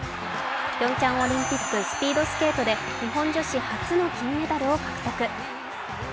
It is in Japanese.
ピョンチャンオリンピックスピードスケートで日本女子初の金メダルを獲得。